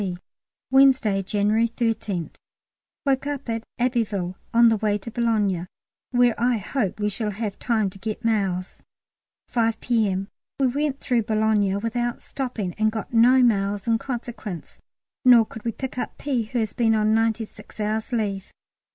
T. Wednesday, January 13th. Woke at Abbeville; now on the way to Boulogne, where I hope we shall have time to get mails. 5 P.M. We went through Boulogne without stopping, and got no mails in consequence; nor could we pick up P., who has been on ninety six hours' leave.